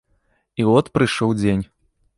І от прыйшоў дзень.